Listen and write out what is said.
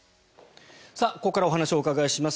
ここからお話をお伺いします